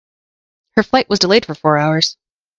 Her flight was delayed for four hours.